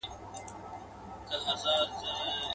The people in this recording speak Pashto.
خدای دي درکړۍ عوضونه مومنانو.